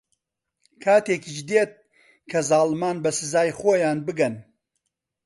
کاتێکیش دێت کە زاڵمان بە سزای خۆیان بگەن.